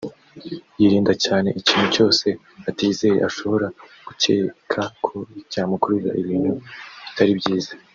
yirinda cyane ikintu cyose atizeye ashobora gucyeka ko cyamukururira ibintu bitari byiza